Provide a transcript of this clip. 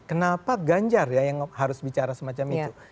kenapa ganjar ya yang harus bicara semacam itu